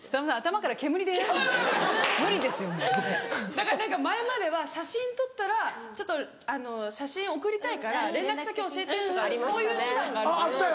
だから前までは写真撮ったらちょっと写真送りたいから連絡先教えてとかそういう手段が。あったよ。